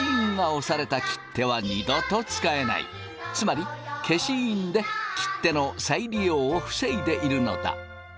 つまり消印で切手の再利用を防いでいるのだ。